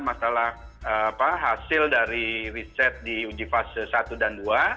masalah hasil dari riset di uji fase satu dan dua